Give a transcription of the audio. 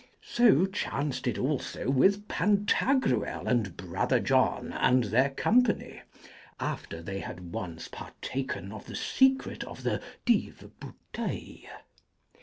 So chanced it also with Pantagruel and Brother John and their company, after they had once partaken of the secret of the Dive Bouteille.